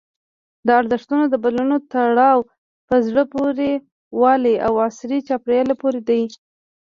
د ارزښتونو د بدلون تړاو په زړه پورې والي او عصري چاپېریال پورې دی.